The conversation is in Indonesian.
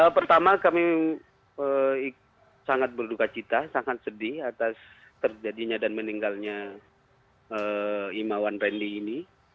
pertama kami sangat berduka cita sangat sedih atas terjadinya dan meninggalnya imawan randy ini